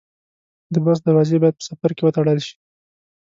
د بس دروازې باید په سفر کې وتړل شي.